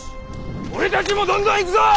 俺たちもどんどん行くぞ！